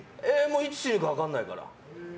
いつ死ぬか分かんないから。